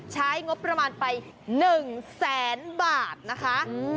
ใช้งบประมาณไป๑แสนบาทนะคะ